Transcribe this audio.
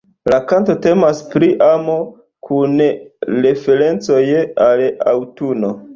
La kanto temas pri amo, kun referencoj al aŭtuno.